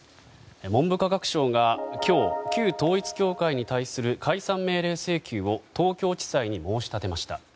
文部科学省が今日旧統一教会に対する解散命令請求を東京地裁に申し立てました。